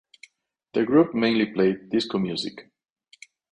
The group mainly played disco music.